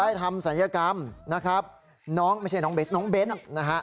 ทำศัลยกรรมนะครับน้องไม่ใช่น้องเบสน้องเบ้นนะฮะ